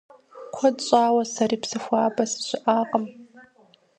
Куэд щӀауэ сэри Псыхуабэ сыщыӀакъым.